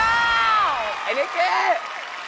ไอ้นี่เก่ย